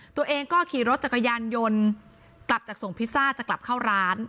ตัวเองก็ขี่รถจักรยานยนต์กลับจากส่งพิซซ่าจะกลับเข้าร้าน